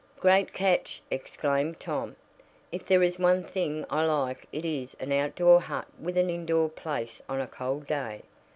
"Great catch!" exclaimed Tom. "If there is one thing I like it is an outdoor hut with an indoor place on a cold day."